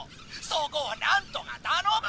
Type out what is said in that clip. そこを何とか頼む！